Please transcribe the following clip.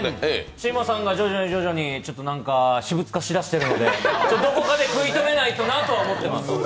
シウマさんが徐々に徐々に私物化しだしているのでどこかで食い止めないとなとは思っています。